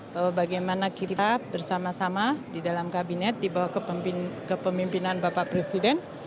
bahwa bagaimana kita bersama sama di dalam kabinet dibawa ke pemimpinan bapak presiden